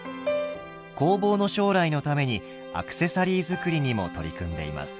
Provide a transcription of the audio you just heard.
工房の将来のためにアクセサリー作りにも取り組んでいます。